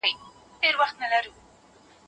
هغه هوټل چې په غره کې دی، ډېر ګران دی.